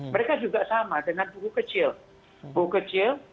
mereka juga sama dengan buku kecil